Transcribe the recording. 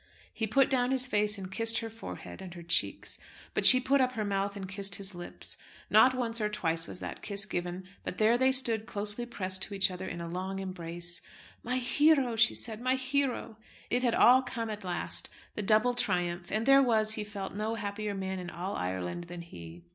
He put down his face and kissed her forehead and her cheeks; but she put up her mouth and kissed his lips. Not once or twice was that kiss given; but there they stood closely pressed to each other in a long embrace. "My hero," she said; "my hero." It had all come at last, the double triumph; and there was, he felt, no happier man in all Ireland than he.